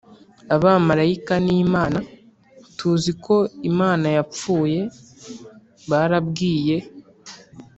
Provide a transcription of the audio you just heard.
abamarayika n'imana. tuzi ko imana yapfuye, barabwiye